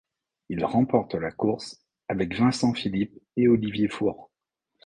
Il remporte la course avec Vincent Philippe et Olivier Four.